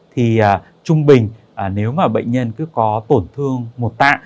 thì trung bình nếu mà bệnh nhân cứ có tổn thương một tạ